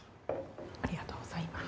ありがとうございます。